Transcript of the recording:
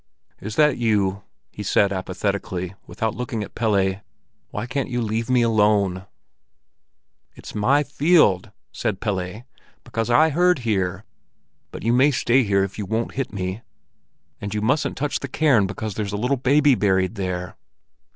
"Is that you?" he said apathetically, without looking at Pelle. "Why can't you leave me alone?" "It's my field," said Pelle, "because I herd here; but you may stay here if you won't hit me. And you mustn't touch the cairn, because there's a little baby buried there."